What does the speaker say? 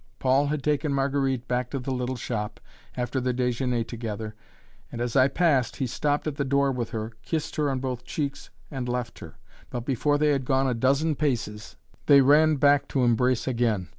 Paul had taken Marguerite back to the little shop, after their déjeuner together, and, as I passed, he stopped at the door with her, kissed her on both cheeks, and left her; but before they had gone a dozen paces, they ran back to embrace again.